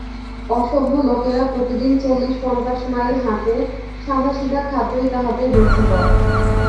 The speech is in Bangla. অসভ্য লোকেরা প্রতিদিন চল্লিশ পঞ্চাশ মাইল হাঁটে, সাদাসিধা খাদ্যই তাহাদের রুচিকর।